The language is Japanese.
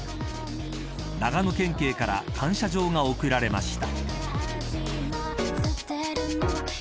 長野県警から感謝状が贈られました。